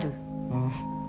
うん。